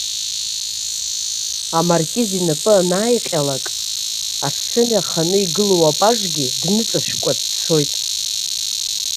Амаркиз инапы анааиҟьалак, асцена аханы игылоу апажгьы дныҵашәкәа дцоит.